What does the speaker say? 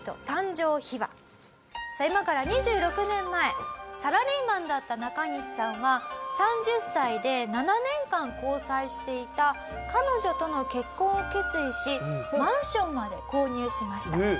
さあ今から２６年前サラリーマンだったナカニシさんは３０歳で７年間交際していた彼女との結婚を決意しマンションまで購入しました。